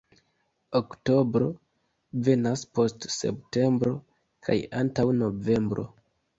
Oktobro venas post septembro kaj antaŭ novembro.